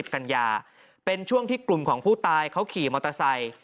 กันยาเป็นช่วงที่กลุ่มของผู้ตายเขาขี่มอเตอร์ไซค์